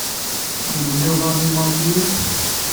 Tḥemmlem iḍan imalṭiyen?